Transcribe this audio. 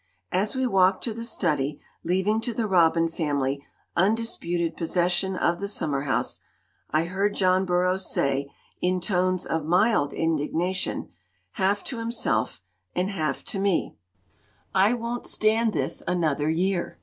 As we walked to the study, leaving to the robin family undisputed possession of the summer house, I heard John Burroughs say in tones of mild indignation, half to himself and half to me: "I won't stand this another year!